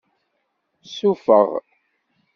Sufeɣ.